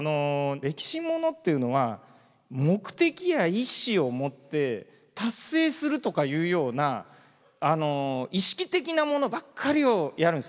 歴史ものっていうのは目的や意志を持って達成するとかいうような意識的なものばっかりをやるんです。